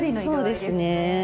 そうですね。